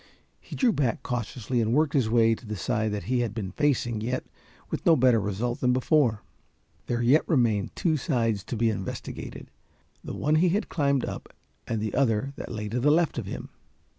He drew back cautiously and worked his way to the side that he had been facing, yet with no better result than before. There yet remained two sides to be investigated the one he had climbed up and the other that lay to the left of him.